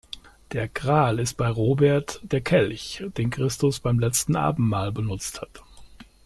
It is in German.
Der Gral ist bei Robert der Kelch, den Christus beim letzten Abendmahl benutzt hat.